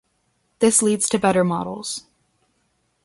This leads to better models.